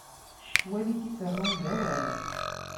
Ccwal i t-iferrun d awal.